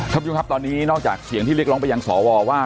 ครับคุณครับตอนนี้นอกจากเสียงที่เรียกร้องไปยังสอวอว์ว่า